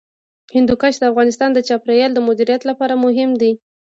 هندوکش د افغانستان د چاپیریال د مدیریت لپاره مهم دي.